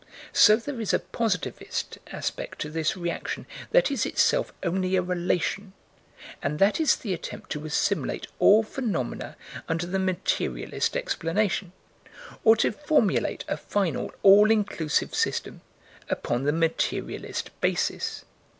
So there is a positivist aspect to this reaction that is itself only a relation, and that is the attempt to assimilate all phenomena under the materialist explanation, or to formulate a final, all inclusive system, upon the materialist basis.